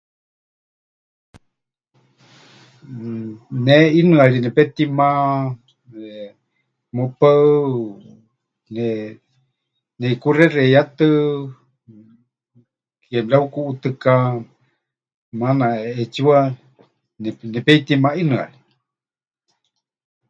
Mmm... Ne ʼinɨari nepetima, eh, mɨpaɨ, eh, neʼikuxexeiyátɨ ke mɨreukuʼutɨká, maana ʼetsiwa nepeitima ʼinɨári.